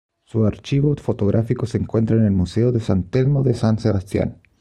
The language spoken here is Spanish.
Su archivo fotográfico se encuentra en el Museo de San Telmo de San Sebastián.